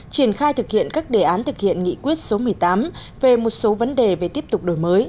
triển khai thực hiện các đề án thực hiện nghị quyết số một mươi tám về một số vấn đề về tiếp tục đổi mới